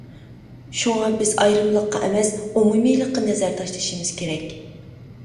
شۇڭا بىز ئايرىمىلىققا ئەمەس، ئومۇمىيلىققا نەزەر تاشلىشىمىز كېرەك.